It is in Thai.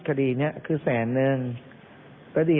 มันไม่น่าเป็นคดี